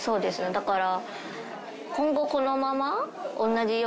だから。